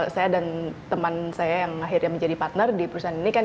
saya dan teman saya yang akhirnya menjadi partner di perusahaan ini kan